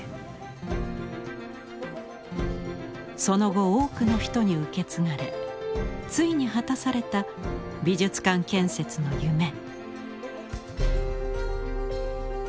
その後多くの人に受け継がれついに果たされた美術館建設の夢。